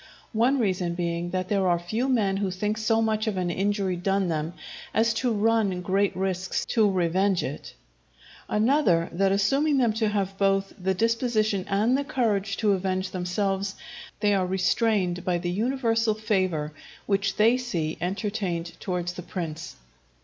One reason being, that there are few men who think so much of an injury done them as to run great risks to revenge it; another, that assuming them to have both the disposition and the courage to avenge themselves, they are restrained by the universal favour which they see entertained towards the prince.